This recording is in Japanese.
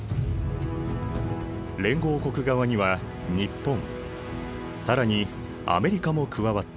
連合国側には日本更にアメリカも加わった。